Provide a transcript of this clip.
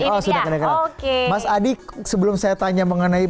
mas adi sebelum saya tanya mengenai bagaimana